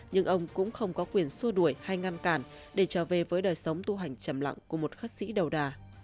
nhưng ông cũng không có quyền xua đuổi hay ngăn cản để trở về với đời sống tu hành chầm lặng của một khất sĩ đầu đà